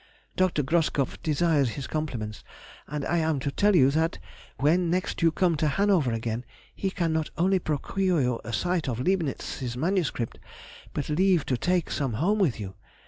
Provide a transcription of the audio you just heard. Dr. Groskopf desires his compliments, and I am to tell you that when next you come to Hanover again he can not only procure you a sight of Leibnitz's MS., but leave to take some home with you.